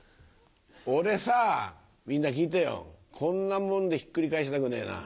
俺さみんな聞いてよこんなもんでひっくり返したくねえな。